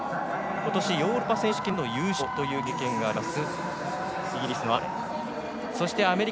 ことしヨーロッパ選手権での優勝という経験があります